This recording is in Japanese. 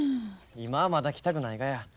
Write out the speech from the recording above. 今はまだ着たくないがや。